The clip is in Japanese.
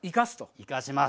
生かします。